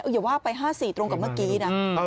อย่าว่าไป๕๔ตรงกับเมื่อกี้นะ